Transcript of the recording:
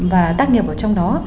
và tác nhập ở trong đó